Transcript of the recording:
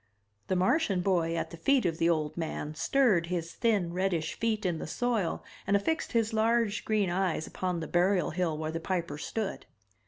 The Martian boy at the feet of the old man stirred his thin reddish feet in the soil and affixed his large green eyes upon the burial hill where the Piper stood.